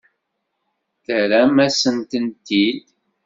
Terram-asent-t-id.